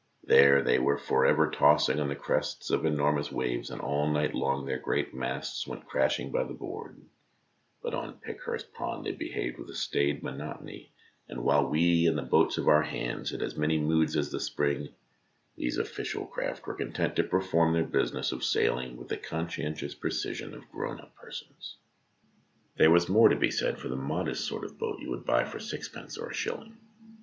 There they were for ever tossing on the crests of enormous waves, and ail night long their great masts went crashing by the board ; but on Pickhurst Pond they behaved with a staid monotony, ADMIRALS ALL 37 and while we and the boats of our hands had as many moods as the spring, these official craft were content to perform their business of sailing with the conscientious precision of grown up persons. There was more to be said for the modest sort of boat you would buy for sixpence or a shilling.